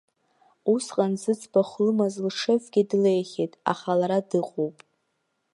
Усҟан зыӡбахә лымаз лшефгьы длеихьеит, аха лара дыҟоуп.